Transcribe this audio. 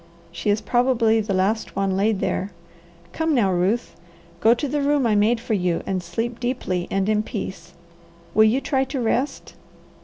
She is probably the last one laid there. Come now, Ruth. Go to the room I made for you, and sleep deeply and in peace. Will you try to rest?"